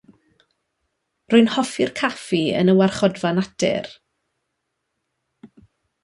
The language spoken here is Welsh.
Rwy'n hoffi'r caffi yn y Warchodfa Natur.